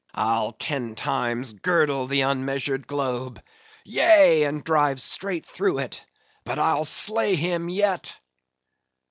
I'll ten times girdle the unmeasured globe; yea and dive straight through it, but I'll slay him yet!"